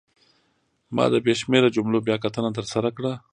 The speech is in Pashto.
ما د بې شمېره جملو بیاکتنه ترسره کړه.